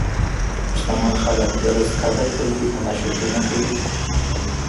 شتمن خلک د رزق قدر کوي او ناشکري نه کوي.